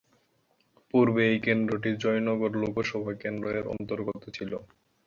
পূর্বে এই কেন্দ্রটি জয়নগর লোকসভা কেন্দ্র এর অন্তর্গত ছিল।